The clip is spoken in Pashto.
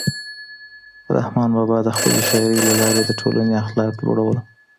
رحمان بابا د خپلې شاعرۍ له لارې د ټولنې اخلاق لوړول.